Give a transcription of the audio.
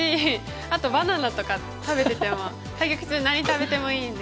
あとバナナとか食べてても対局中何食べてもいいんで。